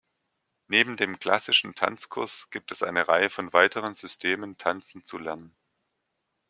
Neben dem klassischen “Tanzkurs” gibt es eine Reihe von weiteren Systemen, Tanzen zu lernen.